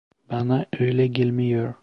Bana öyle gelmiyor.